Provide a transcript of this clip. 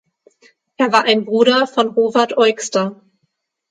Er war ein Bruder von Howard Eugster.